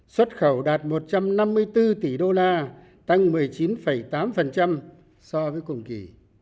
xuất khẩu đạt một trăm năm mươi bốn tỷ đô la tăng một mươi chín tám so với cùng kỳ